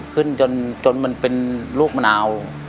ขึ้นจนมันเป็นลูกมะนาว